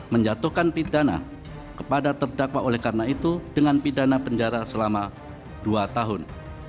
menjatuhkan pidana kepada terdakwa oleh karena itu dengan pidana penjara selama dua tahun